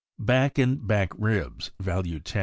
Back and back ribs (value 10).